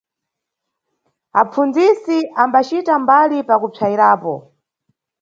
Apfundzisi ambacita mbali pa kupsayirapo.